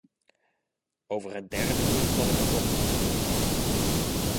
Over het derde punt zal ik kort zijn.